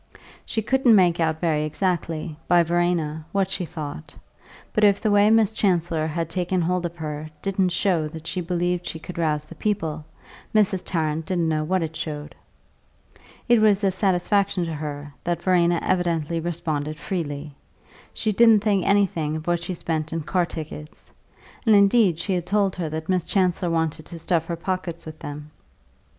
She couldn't make out very exactly, by Verena, what she thought; but if the way Miss Chancellor had taken hold of her didn't show that she believed she could rouse the people, Mrs. Tarrant didn't know what it showed. It was a satisfaction to her that Verena evidently responded freely; she didn't think anything of what she spent in car tickets, and indeed she had told her that Miss Chancellor wanted to stuff her pockets with them.